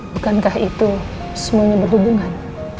bukankah itu semuanya berhubungan